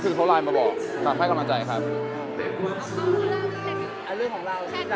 คือเขาให้กำลังใจเราอะพี่แต่ว่า